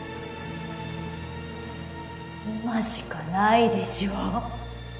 今しかないでしょ。